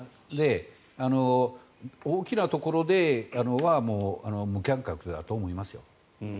大きなところは無観客でやると思いますよ。